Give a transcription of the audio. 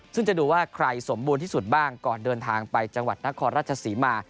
ซึ่งจะดูว่าใครสมบูรณ์ที่สุดบ้างก่อนเดินทางไปจังหวัดนครราชศรีมา